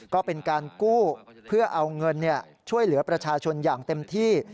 ก็เป็นการกู้เพื่อเอาเงินช่วยเหลือประชาชนอย่างเต็มที่